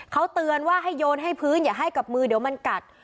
เขาเตือนว่าให้โยนให้พื้นอย่าให้กับมือเดี๋ยวมันกัด